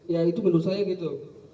ya itu menurut saya gitu